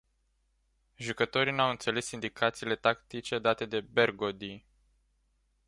Jucătorii n-au înțeles indicațiile tactice date de Bergodi.